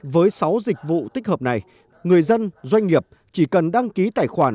với sáu dịch vụ tích hợp này người dân doanh nghiệp chỉ cần đăng ký tài khoản